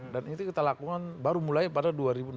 dan ini kita lakukan baru mulai pada dua ribu enam belas